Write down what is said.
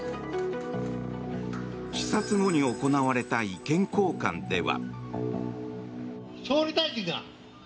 視察後に行われた意見交換では。